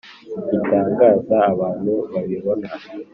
bitangaza abantu babibona.